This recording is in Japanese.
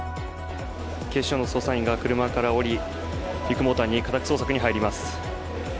警視庁の捜査員が車から降り、ビッグモーターに家宅捜索に入ります。